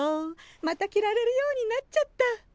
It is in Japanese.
また着られるようになっちゃった！